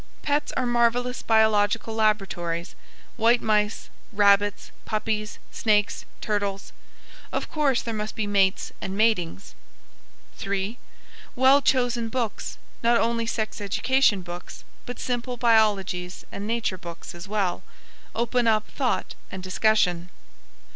Pets are marvelous biological laboratories white mice, rabbits, puppies, snakes, turtles. Of course there must be mates and matings. 3. Well chosen books, not only sex education books, but simple biologies and Nature books as well, open up thought and discussion.